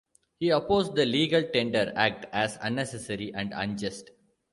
He opposed the Legal Tender Act as unnecessary and unjust.